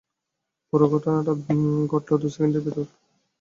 পুরো ঘটনোটা ঘটল দু সেকেণ্ডের ভেতর।